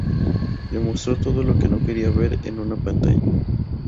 Le mostró todo lo que no quería ver en una pantalla.